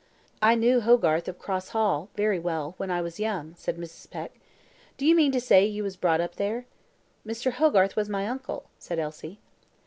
"I knew Hogarth of Cross Hall, very well, when I was young," said Mrs. Peck. "Do you mean to say you was brought up there?" "Mr. Hogarth was my uncle," said Elsie.